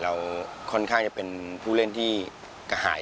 เราค่อนข้างจะเป็นผู้เล่นที่กระหาย